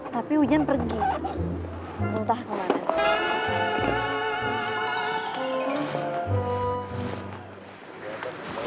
tapi hujan pergi muntah kemana